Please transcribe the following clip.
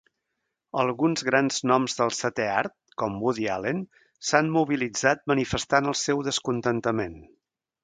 Alguns grans noms del setè art, com Woody Allen, s'han mobilitzat manifestant el seu descontentament.